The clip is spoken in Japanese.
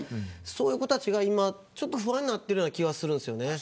そういう子たちが不安になっているような気がするんですよね。